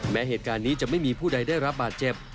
แม้เหตุการณ์นี้จะไม่มีผู้ใดได้รับบาดเจ็บ